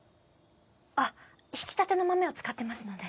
あっ挽きたての豆を使ってますので。